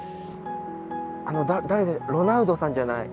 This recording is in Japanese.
あの誰だロナウドさんじゃない。